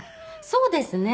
そうですね。